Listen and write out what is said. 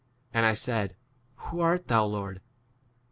15 And I said, who art thou, Lord